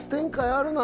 あるな